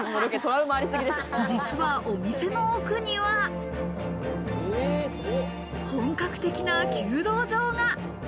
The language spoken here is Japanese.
実はお店の奥には、本格的な弓道場が。